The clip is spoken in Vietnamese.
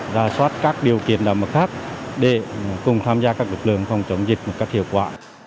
ra soát các điều kiện đảm bảo khác để cùng tham gia các lực lượng phòng chống dịch một cách hiệu quả